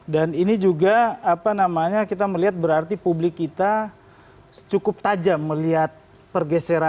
dan ini juga kita melihat berarti publik kita cukup tajam melihat pergeseran